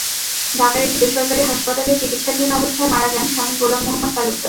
ঢাকার একটি বেসরকারি হাসপাতালে চিকিৎসাধীন অবস্থায় মারা যান স্বামী গোলাম মোহাম্মদ তালুকদার।